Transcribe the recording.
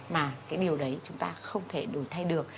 mà cái điều đấy chúng ta không thể đổi thay được